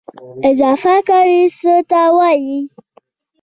اضافه کاري څه ته وایي؟